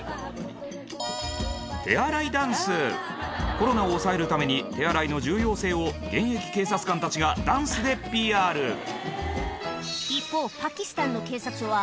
コロナを抑えるために手洗いの重要性を現役警察官たちがダンスでＰＲ一方ん？